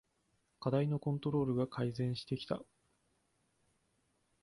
課題のコントロールが改善してきた